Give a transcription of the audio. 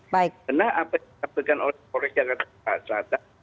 karena apa yang disampaikan oleh polri